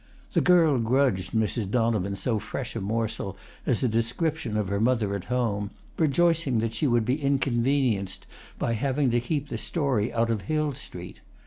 The girl grudged Mrs. Donovan so fresh a morsel as a description of her mother at home, rejoicing that she would be inconvenienced by having to keep the story out of Hill Street.